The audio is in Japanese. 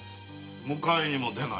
迎えにも出ないで。